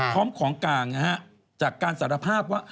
พร้อมของกลางนะฮะจากการสารภาพว่า